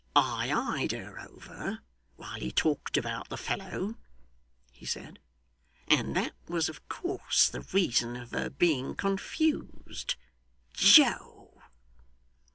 'I eyed her over, while he talked about the fellow,' he said, 'and that was of course the reason of her being confused. Joe!